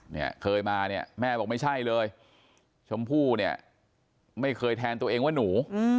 เนี่ยเคยมาเนี่ยแม่บอกไม่ใช่เลยชมพู่เนี่ยไม่เคยแทนตัวเองว่าหนู